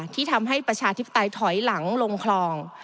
ที่ทำให้ประชาธิปไตยถอยหลังลงคลอง